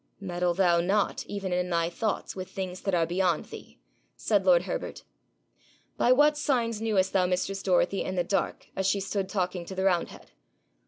'Meddle thou not, even in thy thoughts, with things that are beyond thee,' said lord Herbert. 'By what signs knewest thou mistress Dorothy in the dark as she stood talking to the roundhead?'